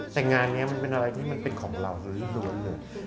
แต่งานนี้มันเป็นอะไรที่มันเป็นของเราโดยล้วนเลย